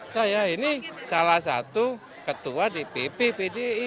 saya ini salah satu ketua dpp pdi